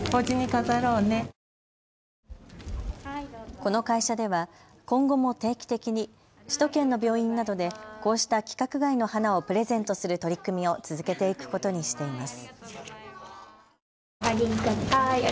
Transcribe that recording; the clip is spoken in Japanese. この会社では今後も定期的に首都圏の病院などでこうした規格外の花をプレゼントする取り組みを続けていくことにしています。